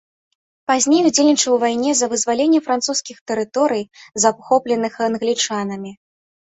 Пазней удзельнічаў у вайне за вызваленне французскіх тэрыторый, захопленых англічанамі.